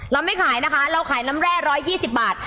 ไม่ขายนะคะเราขายน้ำแร่๑๒๐บาท